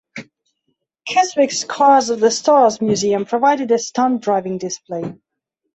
Keswick's "Cars of the Stars" museum provided a stunt driving display.